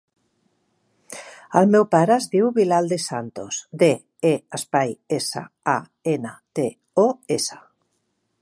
El meu pare es diu Bilal De Santos: de, e, espai, essa, a, ena, te, o, essa.